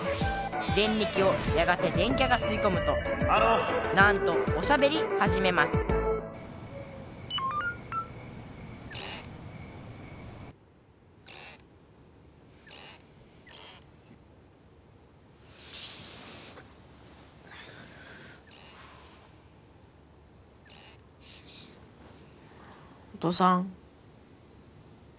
デンリキをやがて電キャがすいこむとなんとおしゃべりはじめますお父さん？